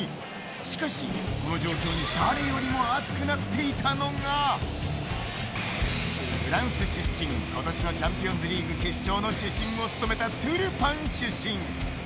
しかし、この状況に誰よりも熱くなっていたのがフランス出身今年のチャンピオンズリーグ決勝の主審も務めたトゥルパン主審。